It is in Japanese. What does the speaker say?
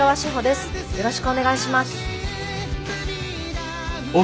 よろしくお願いします。